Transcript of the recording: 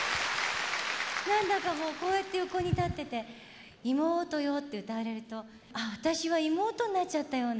何だかもうこうやって横に立ってて「妹よ」って歌われるとああ私は妹になっちゃったような。